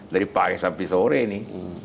dari pagi sampai sore ini